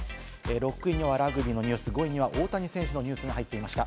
６位にはラグビーのニュース、５位には大谷選手のニュースが入っていました。